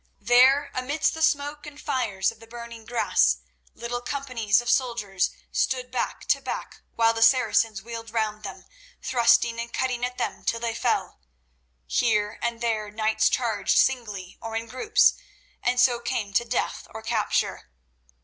There amidst the smoke and fires of the burning grass little companies of soldiers stood back to back while the Saracens wheeled round them, thrusting and cutting at them till they fell. Here and there knights charged singly or in groups, and so came to death or capture.